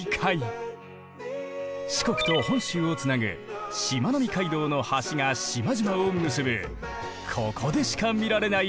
四国と本州をつなぐしまなみ海道の橋が島々を結ぶここでしか見られない絶景だ。